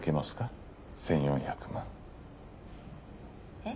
えっ？